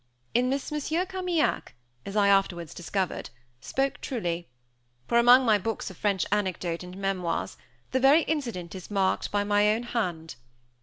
In this Monsieur Carmaignac, as I afterwards discovered, spoke truly; for, among my books of French anecdote and memoirs, the very incident is marked by my own hand.